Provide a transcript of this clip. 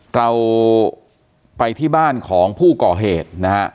เราไปที่บ้านของผู้ก่อเหตุนะฮะ